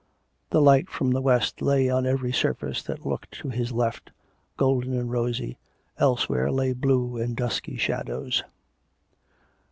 . The light from the west lay on every surface that looked to his left, golden and rosy; elsewhere lay blue and dusky shadows.